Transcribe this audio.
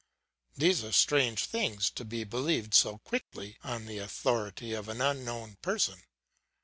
These are strange things to be believed so quickly on the authority of an unknown person.